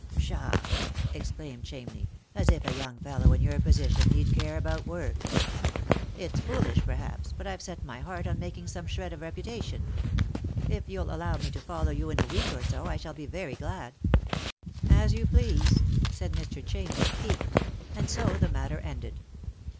" Pshaw !" exclaimed Chamney, " as if a young fellow in your position need care about work." " It's foolish, perhaps, but I've set my heart on making some Bhred of reputation. If you'll allow me to follow you in a week or so, I shall be very glad." 90 Lost for Love. "As you please," said Mr. Chamney, piqued; and so the matter ended.